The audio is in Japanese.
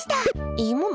いいもの？